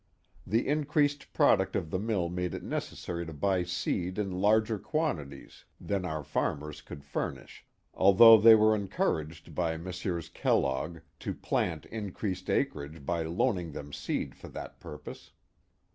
The increased product of the mill made it necessary to buy seed in larger quantities than our farmers could furnish, although they were encouraged by Messrs. Kellogg to plant increased acreage by loaning them seed for that purpose.